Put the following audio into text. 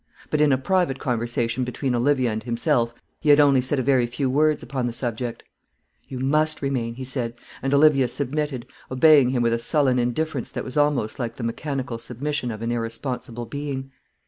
But in a private conversation between Olivia and himself he had only said a very few words upon the subject. "You must remain," he said; and Olivia submitted, obeying him with a sullen indifference that was almost like the mechanical submission of an irresponsible being.